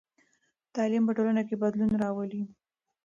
تعلیم په ټولنه کې بدلون راولي.